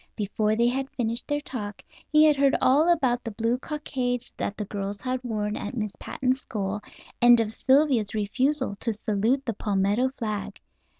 Before they had finished their talk he had heard all about the blue cockades that the girls had worn at Miss Patten's school, and of Sylvia's refusal to salute the palmetto flag.